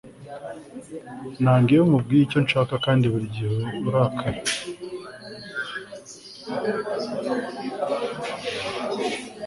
nanga iyo nkubwiye icyo nshaka kandi burigihe urakara